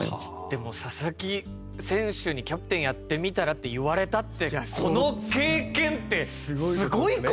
でも佐々木選手に「キャプテンやってみたら？」って言われたってこの経験ってすごい事ですよね。